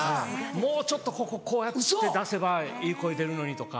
もうちょっとこここうやって出せばいい声出るのにとか。